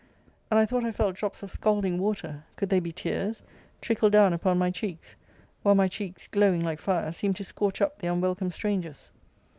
And I thought I felt drops of scalding water [could they be tears?] trickle down upon my cheeks; while my cheeks, glowing like fire, seemed to scorch up the unwelcome strangers.